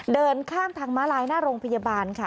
เดินข้ามทางม้าลายหน้าโรงพยาบาลค่ะ